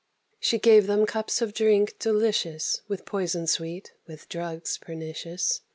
She gave them cups of drink delicious, With poison sweet, with drugs pernicious.